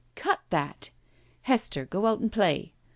"Cut that! Hester, go out and play!